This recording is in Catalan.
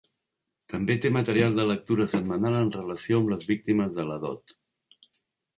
També té material de lectura setmanal en relació amb les víctimes de la dot.